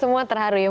semua terharu ya